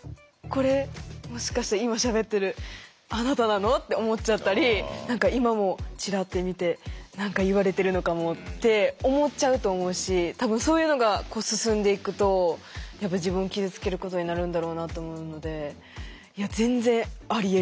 「これもしかしたら今しゃべってるあなたなの？」って思っちゃったり今もチラッて見て何か言われてるのかもって思っちゃうと思うし多分そういうのが進んでいくとやっぱり自分を傷つけることになるんだろうなと思うのでいや全然ありえる。